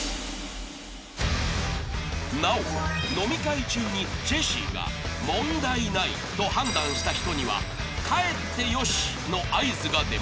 ［なお飲み会中にジェシーが問題ないと判断した人には帰ってよしの合図が出ます］